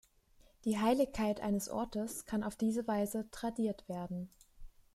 Die Heiligkeit eines Ortes kann auf diese Weise tradiert werden.